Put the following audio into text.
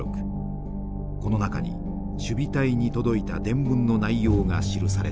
この中に守備隊に届いた電文の内容が記されていました。